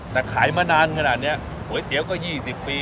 แต่ขายมานานขนาดเนี้ยโหยเตี๊ยวก็ยี่สิบปี